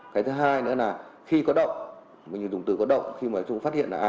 cái thứ hai nữa là khi có động dùng từ có động khi mà chúng phát hiện là